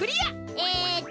えっと